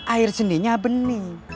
air seninya bening